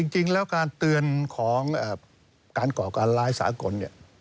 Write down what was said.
จริงแล้วการเตือนของการเกาะการลายสากล